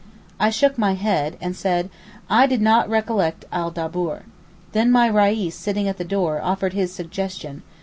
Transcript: I shook my head, and said, I did not recollect al Daboor. Then my Reis, sitting at the door, offered his suggestion.